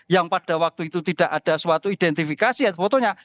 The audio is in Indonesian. yang pada waktu itu tidak ada suatu identifikasi fotonya